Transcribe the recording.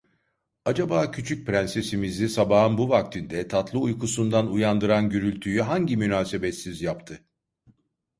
Acaba küçük prensesimizi sabahın bu vaktinde tatlı uykusuından uyandıran gürültüyü hangi münasebetsiz yaptı?